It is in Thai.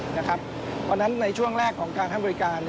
เพราะฉะนั้นในช่วงแรกของการให้บริการ